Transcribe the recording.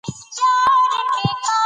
انا د ماشوم مخ په لاسونو کې ونیو.